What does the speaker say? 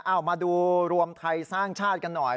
เอามาดูรวมไทยสร้างชาติกันหน่อย